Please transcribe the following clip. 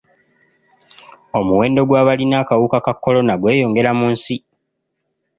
Omuwendo gw'abalina akawuka ka kolona gweyongera mu nsi.